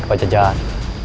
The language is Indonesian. ke panjang jalan